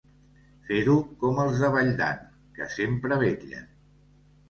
Fer-ho com els de Valldan, que sempre vetllen.